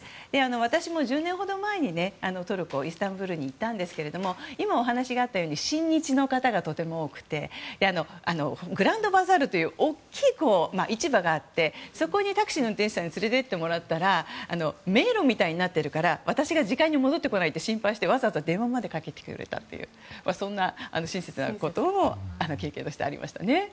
私も１０年ほど前にトルコ・イスタンブールに行ったんですけど今お話があったように親日の方がとても多くてグランドバザールという大きい市場があってそこにタクシーの運転手に連れて行ってもらったら迷路みたいになっているから私が時間に戻ってこないからって心配して、わざわざ電話までかけてくれたという親切なことを経験としてありましたね。